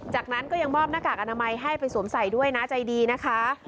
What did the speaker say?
จากนั้นก็ยังมอบหน้ากากอนามัยให้ไปสวมใส่ด้วยนะใจดีนะคะ